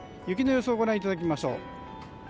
雪の予想をご覧いただきましょう。